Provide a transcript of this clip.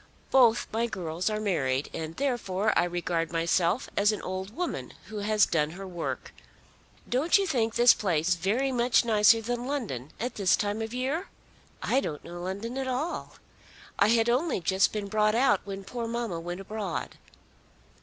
Both my girls are married, and therefore I regard myself as an old woman who has done her work. Don't you think this place very much nicer than London at this time of the year?" "I don't know London at all. I had only just been brought out when poor mamma went abroad."